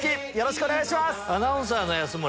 アナウンサーの安村。